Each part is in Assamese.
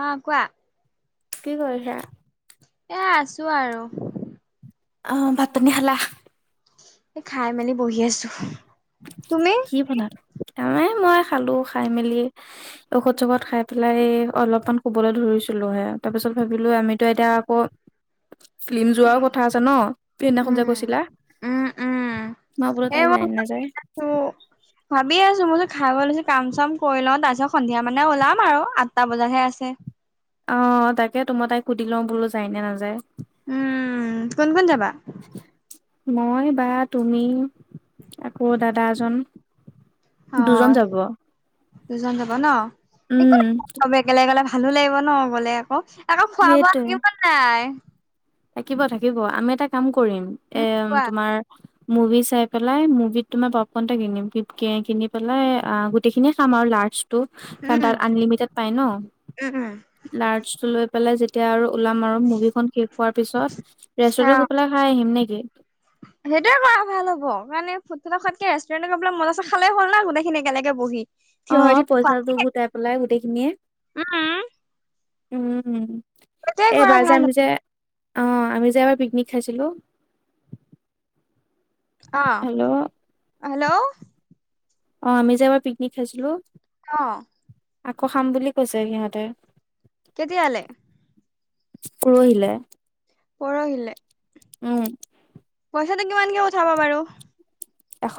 আ', কোৱা। কি কৰিছা? এ', আছোঁ আৰু। আহ', ভাত-পানী খালা? এ খাই মেলি বহি আছো। তুমি কি বনা এ মই খালো খাই মেলি ঔষধ চৌষধ খাই পেলাই অলপমান শুবলৈ ধৰিছিলো হে তাৰ পিছত ভাবিলো আমিতো এতিয়া আকৌ ফিল্ম যোৱাও কথা আছে ন সিইদিনাখন যে উম কৈছিলা। উম উম মাপল তাই যায় নাযায়। ভাবি আছো মই যে খাই লৈছো কাম চাম কৰি লওঁ তাৰ পিছত সন্ধিয়া মানে ওলাম আৰু আঠটা বজাত হে আছে। অ', তাকেটো, মই তাইক সুধি লওঁ বোলো যায় নে নাযায়? উম', কোন কোন যাবা? মই বা তুমি, আকৌ দাদা এজন। দুজন অ', যাব দুজন যাব ন? একো উম নাই, চবে একেলগে গলে ভাল ভালো লাগিব ন গ'লে আকৌ? আকৌ খোৱা-বোৱা সেইটোৱে থাকিবনে নাই? থাকিব থাকিব। আমি এটা কাম কৰিম। উম এম', কোৱা তোমাৰ মুভি চাই পেলাই। মুভিতটো মই পপকৰ্ন এটা কিনিম। [unintelligible] কিনি পেলাই আ', গোটেইখিনিয়ে খাম আৰু লাৰ্জ তো কাৰণ উম তাত আনলিমিটেড পাই ন! উম উম লাৰ্জটো লৈ পেলাই যেতিয়া আৰু ওলাম আৰু, মুভিখন শেষ হোৱাৰ পিছত অ ৰেষ্টুৰেটত গৈ পেলাই খাই আহিম নে কি? সেইটোৱে কৰা ভাল হ'ব। মানে ফুড ফেদত খোৱাতকে ৰেষ্টৰেণ্টত গৈ পেলাই মজাচে খালেই হ'ল ন গোটেইখিনি একেলগে বহি! থিয় হৈ অ', থিয় পইচাটো খোৱাতকে গোটাই পেলাই গোটেইখিনিয়ে উম, উম', সেইটোৱে এ', কৰা এবাৰ যে ভাল আমি হ'ব। যে আ', আমি যে এবাৰ পিকনিক খাইছিলোঁ। আ'। আ', হেল্ল' অ', আমিযে এবাৰ পিকনিক খাইছিলোঁ। অ'। আকৌ খাম বুলি কৈছে সিহঁতে। কেতিয়ালে পৰহিলে। পৰহিলে। উম'। পইচাটো কিমানকে উঠাব বাৰু? এশ।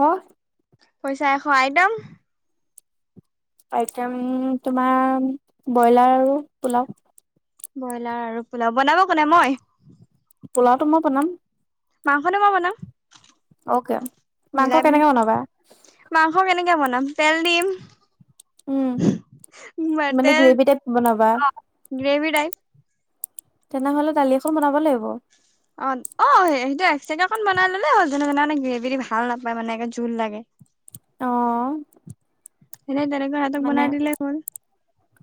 পইচা এশ, আইটেম? আইটেম তোমাৰ, ব্ৰইলাৰ আৰু পোলাও। ব্ৰইলাৰ আৰু পোলাও বনাব কোনে মই? পোলাওটো মই বনাম। মাংসটো মই বনাম। অ'কে। মাংস কেনেকে বনাবা? কে বনাম তেল দিম। উম মানে মেটেল গ্ৰেভি টাইপ বনাবা অ', গ্ৰেভি টাইপ। তেনেহ'লে দালি এখন বনাব লাগিব। অ', অ', সে-সেইটো এস্কট্ৰাকে অকন বনাই ল'লে হ'ল জোনে জোনে মানে গ্ৰেভিটো ভাল নাপায় মানে, জোল লাগে। অ তেনে তেনেকৈ সিহঁতক মানে বনাই দিলে হ'ল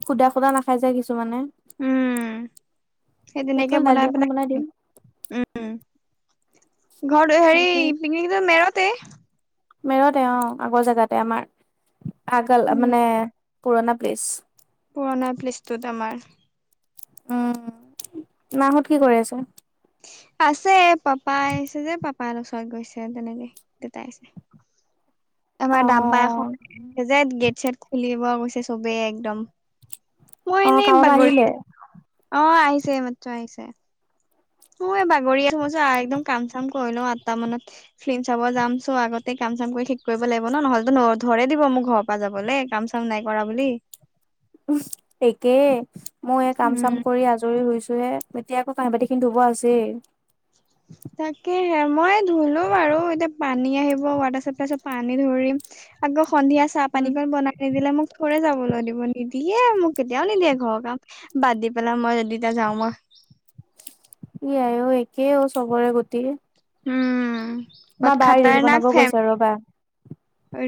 সুদা সুদা নাখাই যে কিছুমানে। উম', সেই তেনেকে তেতিয়াহলে দালি বনাই এখন পেলাই দিম [unintelligible] উম'। উম', ঘৰটো হেৰি তাকে পিকনিকটো মেৰতে? মেৰতে অ আগৰ জেগাতে আমাৰ আগল উম মানে পুৰণা প্লেছ পুৰণা প্লেচটোত আমাৰ উম মাহত কি কৰি আছে আছে পাপা আহিছে যে পাপাৰ ওচৰত গৈছে তেনেকে দেউতাই আহছে অ আমাৰ দাম্পা এখন যে গেট ইচছাত খুলিবোৱা গৈছে চবেই একদম অ মই এনেই কামৰ পৰা বাগৰি আহিলে অ', আহিছে, এইমাত্ৰ আহিছে। অ', এ', বাগৰি আ মই ভাবিছোঁ আ-একদম কাম চাম কৰি লওঁ, আঠটা মানত ফিল্ম চাব যাম। চ আগতে কাম কাম-চাম কৰি ঠিক কৰিব লাগিব ন! নহ'লেতো ন- থৌৰে দিব মোক ঘৰৰ পৰা যাবলে কাম-চাম নাই কৰা বুলি! একেই। ময়ো এই উম কাম-চাম কৰি আজৰি হৈছোহে। এতিয়া আকৌ কাঁহি-বাতিখিনি ধুব আছেই। তাকে। মই ধুলোঁ বাৰু। এতিয়া পানী আহিব, ৱাটাৰ চাপ্লাই আছে পানী ধৰিম। আকৌ সন্ধিয়া চাহ উম, পানীকণ বনাই নিদিলে মোক ৰে যাবলৈ দিব নিদিয়ে মোক কেতিয়াও নিদিয়ে ঘৰৰ কাম বাদ দি পেলাই মই যদি এতিয়া যাওঁ মই [inaudible] ইয়াই অ একেই অ চবৰে গোটেই উম আমা বহুত বাএ ৰিল খাতাৰনাক বনাব ফেম। গৈছো ৰ'বা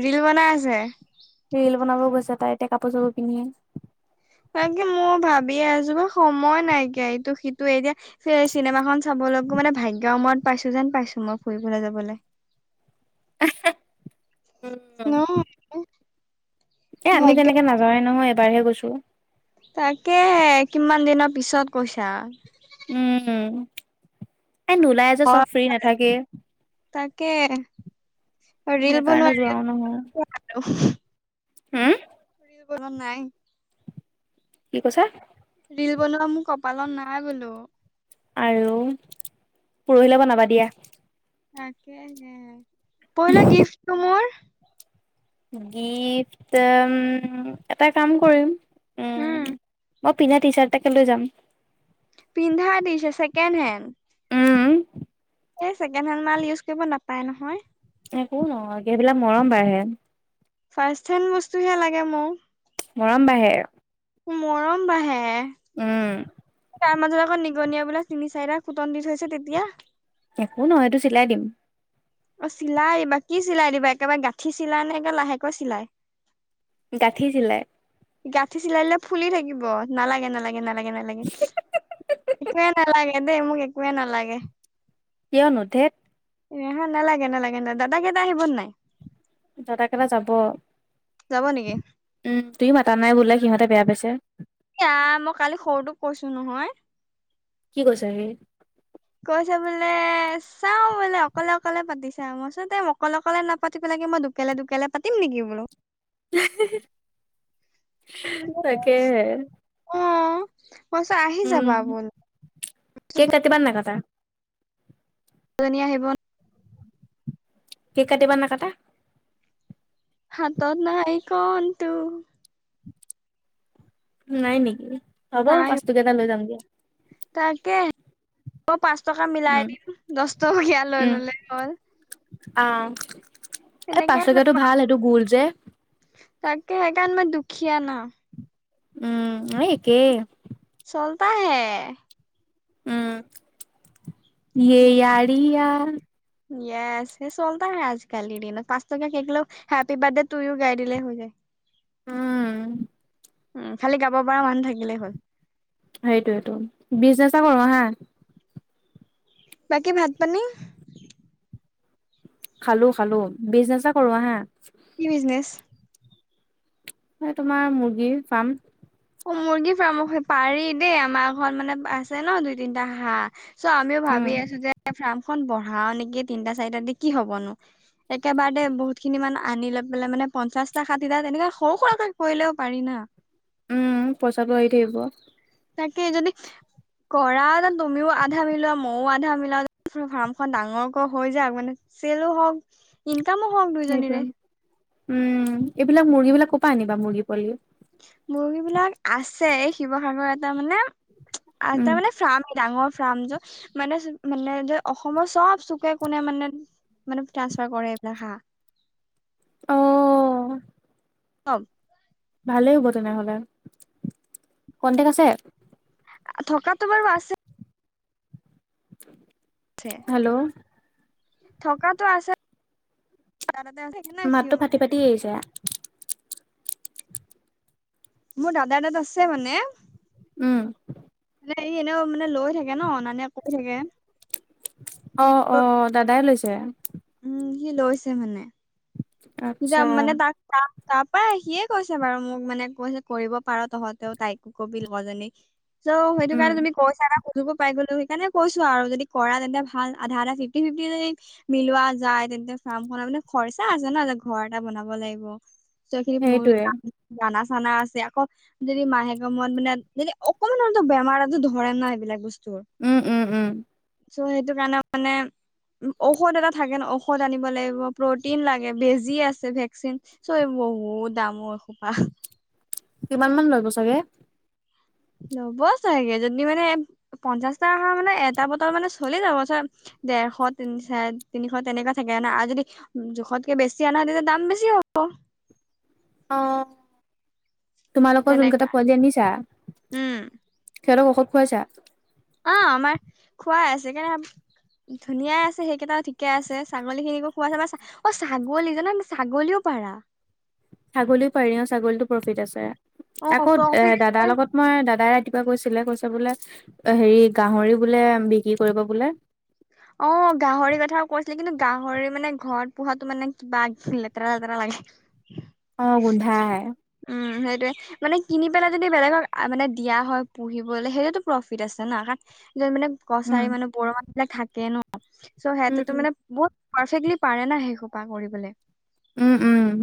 ৰিল বনাই আছে ৰিল বনাব গৈছে তাই এতিয়া কাপোৰ চাপোৰ পিন্ধি ত কি মই ভাবিয়ে আছো বাৰ সময় নাইকিয়া এইটো সিটোে এতিয়া চিনেমাসন চাবলৈ মানে ভাগ্য মূৰত পাইছো যেন পাইছো মই ফুৰিবলৈ যাবলৈ ন উম এ আমি তেনেকে নাযাও এই নহয় এবাৰহে গৈছো তাকেহে কিমান দিনৰ পিছত কৈছা উম, এ নোলাই যে চব হয় ফ্ৰি নাথাকে তাকে ৰিল সেইকাৰণে বনোৱা [unintelligible] হা ৰিল নাই কি কৈছা ৰিল বনোৱা মোৰ কপালত নাই বোলো আৰু পুৰোহিলে বনাবা দিয়া তাকে পহিলা গিফ্টটো মোৰ গিফট উ এটা কাম কৰিম উম মই পিন্ধা টি চাৰ্ট এটাকে লৈ যাম পিন্ধা দিছে ছেকেণ্ড হেণ্ড উম, এই ছেকেণ্ড হেড মাল ইউজ কৰিব নাপায় নহয় একো নহয় এইবিলাক মৰম বাঢ়ে ফাৰ্ষ্ট্ হেণ্ড বস্তুহে লাগে মোক মৰম বাঢ়ে মৰম বাঢ়ে উম তাৰ মাজত আকৌ নিগনিয় বোলাক তিনি চাৰিতা খুটন দি থৈছে তেতিয়া একো নহয় এইটো চিলাই দিম অ চিলাই দিবা কি চিলাই দিবা একেবাৰে গাঁঠি চিলাই নে লাহেকৈ চিলাই গাঠি চিলাই গাঁঠি চিলাই দিলে ফুলি থাকিব নালাগে নালাগে নালাগে নালাগে একোৱে নালাগে দেই মোক একোৱে নালাগে কিয় নো ধেত হা নালাগে নালাগে না। দাদা কেইটা আহিবনে নাই? দাদা কেটা যাব। যাব নেকি উম', তুমি মাতা নাই বোলে, সিহঁতে বেয়া পাইছে। এ', আই মই কালি সৰুটোক কৈছোঁ নহয়! কি কৈছে হি? কৈছে বোলে, চাওঁ বোলে অকলে অকলে পাতিছা। মইচোতে অকলে অকলে নাপাতি পেলাই মই দুকেলে দুকেলে পাতিম নেকি বোলোঁ! তাকে হে পইচা আহি যাবা আ ব কেক কাতিবা নে নাকাতা [unintelligible] আহিব কেক কাটিবা নে নাকাটা হাতত নাই কন তু নাই নেকি? হ'ব তাই পাচ টকীয়া এটা লৈ যামগৈ। তাকে [unintelligible] পাঁচ টকা মিলাই উম দিম। দচ টকীয়া লৈ ললেই হ'ল। আ', এ পাচ তেনেকে টকীয়াটো ল'ম আৰু ভাল। হেইটো গোল যে। তাকে। সেইকাৰণ মই দুখীয়া না! উম'। এ', একেই। ওলতাহে! উম', য়ে য়াৰিয়া। ইয়চ। য়ে চলতা হে আজকালিৰ দিনত! পাঁচ টকীয়া কেগলৌ হেপি বাৰ্থডে তু ইও গাই দিলই হৈ যায়। উম'। উম', খালি গাব পাৰা মানুহ থাকিলেই হ'ল। সেইটোয়েটো। বিজনেচে কৰোঁ আহা। বাকী ভাত-পানী? খালোঁ খালোঁ। বিজনেচে কৰোঁ আহা। কি বিজনেছ? হে তোমাৰ মুৰ্গীৰ ফাৰ্ম। অ', মুৰ্গী ফাৰ্ম সে! পাৰি দেই, আমাৰ ঘৰত মানে আছে ন দুই তিনটা হাঁহ! চোৱা আমিও উম ভাবি আছোঁ যে, ফাৰ্মখন বঢ়াও নেকি! তিনটা চাৰিটা দি কি হবনো! একেবাৰেতে বহুত খিনি মান আনি লৈ পেলে, মানে পঞ্চাশটা ষাঠিটা। তেনেকে সৰু সুৰাকৈ কৰিলেও পাৰি না! উম', পইচাটো আহি থাকিব। তাকে যদি কৰাহেঁতেন তুমিও আধা মিলোৱা মইও আধা মিলাইছো, ফাৰ্মখন ডাঙৰকৈ হৈ যাওক মানে! চেলো হওঁক, ইনকামো হওক সেইটোৱে দুইজনীৰে। উম', এইবিলাক মুৰ্গী বিলাক ক'ৰ পৰা আনিবা? মুৰ্গী পোৱালী? মুৰ্গী বিলাক আছে। শিৱসাগৰৰ এটা মানে আৰু উম তাৰমানে ফাৰ্ম ডাঙৰ ফাৰ্ম য। মানে-মানে যে অসমৰ চব চুকে-কোনে মানে মানে ট্ৰান্সফাৰ কৰে এইবিলাক হা। অ'। অ'। ভালেই হ'ব তেনেহ'লে। কন্টেক্ট আছে? থকাতটো বাৰু আছে। হেল্ল' থকাটো আছে দাদাতে আছে ন সিও মাতটো ফাটি মানে ফাটি আহিছে। মোৰ দাদাৰ তাত আছে মানে! উম যে ই এনেও মানে লৈ থাকে ন আনা নিয়া কৰি থাকে অ' অ' দাদাই লৈছে। উম, সি লৈছে মানে। নিগ আচ্ছা মনেত আটাা [inaudible] তাৰ পৰা আহিয়ে কৈছে বাৰু মোক মানে কৈছে কৰিব পাৰ তহঁতেও তাইকো কবি লগজনী চৌ সেইটো উম কাৰণে তুমি কৈছা না? সুধিব পাই গলোঁ। সেইকাৰণে কৈছোঁ আৰু, যদি কৰা তেন্তে ভাল। আধা আধা ফিফ্‌টি ফিফ্‌টি যদি মিলোৱা যায়! তেন্তে ফাৰ্মখনৰ মানে খৰচা আছে ন ঘৰ এটা বনাব লাগিব। চৌ এইখিনিত মই সেইটোৱে [unintelligible] বনাচ আনা আছে। আকৌ যদি মাহেক মূৰত মানে যদি অকমানোতো বেমাৰ-আজাৰ ধৰে না এইবিলাক বস উম', উম', উম'। চৌ সেইটো কাৰণে মানে, ঔষধ এটা থাকে ন! ঔষধ আনিব লাগিব, প্ৰটিন লাগে, বেজ দি আছে ভেকচিন। চৌ-বহুত দামৰ এইসোপা! কিমান মান লব চাগে? ল'ব চাগে যদি মানে পঞ্চাশ টা মানে এটা বটল মানে চলি যাব ডৰশ তিনি চাৰে তিনিশ তেনেকুৱা থাকে না, আৰু যদি জোখতকে বেছি আনা তেতিয়া দাম বেছি হ'ব। অঁ। তোমালোকৰ যোন কেইটা তেনেকা পোৱালি আনিছা, উম সিহঁতক ঔষধ খোৱাইছা? অ' আমাৰ খোৱাই আছে কেনে ধুনীয়াই আছে সেইকেইটাও ঠিকে আছে, ছাগলী খিনিকো খোৱাই আছে, অ' ছাগলী জানা ছাগলীও পাৰা। ছাগলীও পাৰি অ' ছাগলীতটো প্ৰফিট আছে, অ আকৌ প্ৰফিট এ' আছে দাদাৰ লগত মই দাদাই ৰাতি কিবা কৈছিলে, কৈছে বোলে হেৰি গাহৰি বোলে বিক্ৰী কৰিব বোলে। অ' গাহৰি কথা কৈছিলে কিন্তু গাহৰিৰ মানে ঘৰত পোহাতো মানে কিবা লেতেৰা - লেতেৰা ল হয়। অ' গোন্ধাই। উম সেইটোয়ে মানে কিনি পেলাই যদি বেলেগক মানে দিয়া হয় পোহিবলে সেইটো প্ৰফিট আছে ন, কাৰণ য মানে উম কছাৰী মানুহ বড় মানুহ বিিলাক থাকে ন চ' উম সিহঁতেতো উম মানে বহুত [inaudible] পাৰে না শেই সোপা কৰিবলৈ [inaudible] উম উম।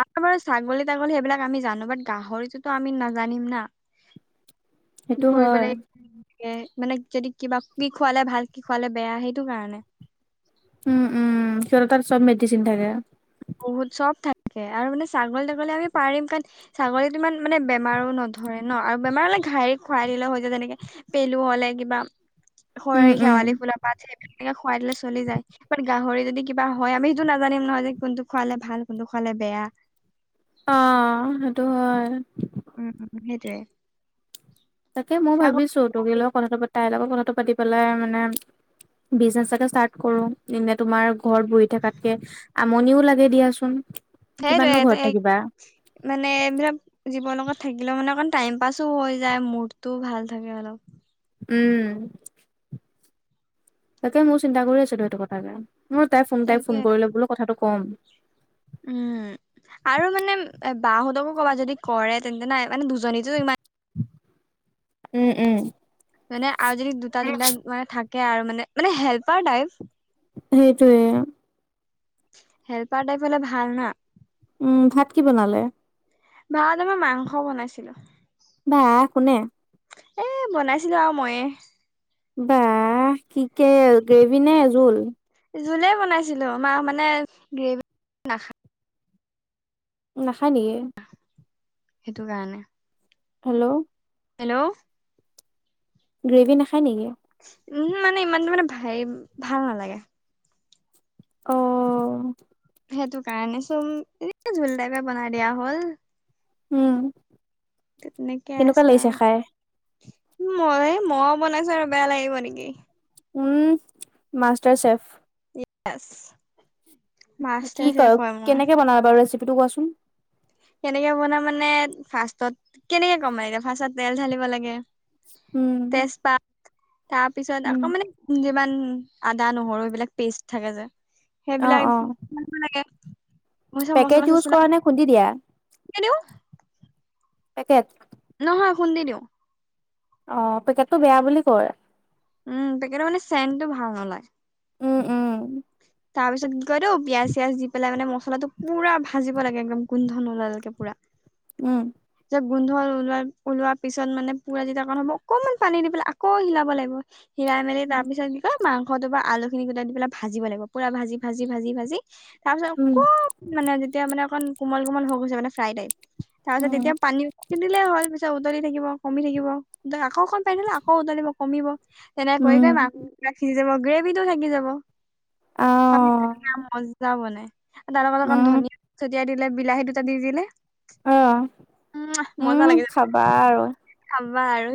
আমাৰ বাৰু ছাগলী - তাগলী সেইবিলাক আমি জানো বাট গাহৰিটোতো আমি নাজানিম না। কি সেইটো কৰিব হয় লাগে মানে যদি কিবা কি খুৱালে ভাল। খোৱালে বেয়া সেইটো কাৰণে উম উম সৰতত আৰু চব মেডিচিন থাকে। বহুত চব থাকে আৰু মানে ছাগলী -তাগলী আমি পাৰিম কাৰণ ছাগলীতো ইমান মানে বেমাৰো নধৰে। ন আৰু বেমাৰ হলে ঘাইৰিক খুৱাই দিলে হৈ য যেনেকে পেলু হ'লে কিবা হয় উম উম শেৱালি ফুলৰ পাঠ তেনেকে খুৱাই দিলে চলি যায় ব গাহৰি যদি কিবা হয় আমি সেইটো নাজানিম নহয় যে কোনটো খোৱালে ভাল, কোনটো খোৱালে বেয়া অঁ সেইটো হয়। উম উম সেই টোৱাই তাকে মই ভাবিছো তগ লগত কথাা তাইৰ লগত কথা কথা পাতি পেলাই মানে বিজনেচ এটাকে ইষ্টাত কৰো, এনেই তোমাৰ ঘৰত বহি থকাতকে আমনিও লাগে দিয়াচোন কিমাননো ঘৰত সেইটোৱেই এ থাকিবা মানে এইবিলাক জীৱনৰ লগত থাকিলেও মানে অকণ টাইম পাছো হৈ যায়, মুডতটোও ভাল থাকে অলপ উম। তাকে মোৰ চিন্তা কৰি আছিলো সেইটো কথাকে মই তাই ফোন তাই তাকে ফোন কৰিলেো বোলো কথাটো ক'ম। উম। আৰু মানে বাহঁতকো ক'বাত যদি কৰে তেন্তে নাই মানে দুজনীতো ইমান উম উম। মানে আৰু যদি দুটা, তিনিটা মানে থাকে আৰু মানে মানে হেল্পাৰ টাইপ সেইটোৱেই- হেল্পাৰ টাইপ হলে ভাল না উম, ভাত কি বনালে? ভাত আমাৰ মাংস বনাইছিলে। বাহ! কোনে? এই বনাইছিলো আৰু মইয়ে। বাহ! কি কে গ্ৰেভি নে জোল? জোলেই বনাইছিলো, মা মানে গ্ৰেভি নাখা নাখায় নিকি? সেইটো কাৰণে। হেল্ল'! হেল্ল'! গ্ৰেভি নাখায় নেকি? উমহো, মানে ইমানটো মানে হেৰি ভাল নালাগে। অ'। সেইটো কাৰণে সুম এনে জোল টাইপে বনাই দিয়া হ'ল। উম। তেনেকে কেনেকুৱা আছোঁ লাগিছে আও। খাই মই মই বনাইছো আৰু বেয়া লাগিব নেকি। উম, মাষ্টাৰ চেফ। য়েছ। কি ক কেনেকে বনাই বাৰু! ৰেচিপিটো কোৱাচোন। কেনেকে বনাই মানে ফাৰ্ষ্টত, কেনেকে কম এতিয়া ফাৰ্ষ্টত তেল ঢালিব লাগে। উম। তাৰপিছত উম আকৌ মানে যিমান আদা, নহৰু এইবিলাক পেষ্ট থাকে যে। অ অ সেইবিলাক [unintelligible] লাগে। মইচা পেকেট মচলা ইউজ চছলা কৰা নে খুন্দি দিয়া [unintelligible] তাকেত নহয় খুন্দি দিওঁ। অ', পেকেটটো বেয়া বুলি কয়। উম, পেকেটত মানে চেনটো ভাল নলয়। উম, উম। তাৰ পিছত কৈ দিওঁ পিয়াজ চিয়াজ দি পেলাই মানে মছলাটো পুৰা ভাজিব লাগে একদম। গুন্ধ নোলোৱালৈকে পুৰা। উম। যে গোন্ধ ওলোৱা ওলোৱা পিছত মানে পুৰা যিতা কাৰণ হ'ব অকণমান পানী দি পেলাই আকৌ হিলাব লাগিব। হিৰাই মেলি তাৰপিছত কিক' মাংসটো বা আলুখিনি গোটাই দি পেলাই ভাজিব লাগিব পুৰা ভাজি, ভাজি, ভাজি, ভাজি। তাৰপিছত উম অকণ মানে যেতিয়া মানে অকণ কোমল কোমল হৈ গৈছে মানে ফ্ৰাই টাইপ তাৰপিছত তেতিয়া উম পিন্ধিলে হ'ল পিছত উতলি থাকিব, কমি থাকিব আকৌ অকণ পানী দিলে আকৌ উতলিব কমিব। তেনেক কৰি কৰি উম মাংসবিলাক সিজি যাব। গ্ৰেভিটো থাকি যাব, অ তেনে মজা বনাই। তাৰ লগত অকণ উম ধনিয় ছটিয়াই দিলে বিলাহী দুটা দি দিলে। অহ, উম মজা উম, লাগি যাব খাবা আৰু। খাবা আৰু